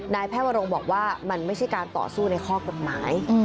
นายแพทย์วรงบอกว่ามันไม่ใช่การต่อสู้ในข้อกฎหมาย